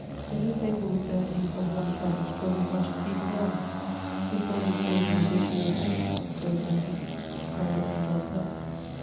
If his paper would beare ink of one side 'twas as much as he desired. This way did save him a great deale of paines quod N.B.: from Dr. John Pell.